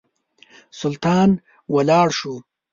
سلطان ولاړ شو.